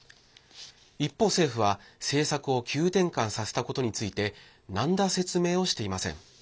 一方、政府は政策を急転換させたことについてなんら説明をしていません。